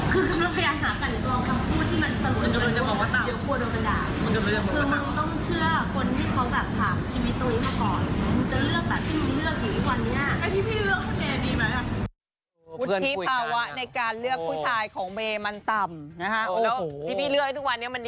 พี่พี่เลือกข้าวในการเลือกผู้ชายของเมมันต่ำนะฮะ